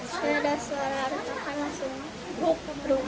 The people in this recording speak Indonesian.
saya sudah selesai berangkat langsung